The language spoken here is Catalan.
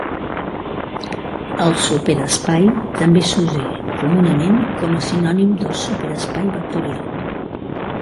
El superespai també s'usa comunament com a sinònim del super espai vectorial.